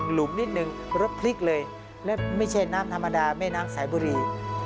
หุมนิดนึงรถพลิกเลยและไม่ใช่น้ำธรรมดาแม่น้ำสายบุรี